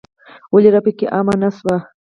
ولې راپکې عامه نه شوه.